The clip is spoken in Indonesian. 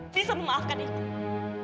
bisa memaafkan ibu